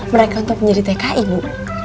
mereka untuk menjadi tki bu